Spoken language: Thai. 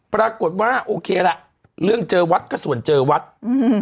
ปรากฏว่าโอเคล่ะเรื่องเจอวัดก็ส่วนเจอวัดอืม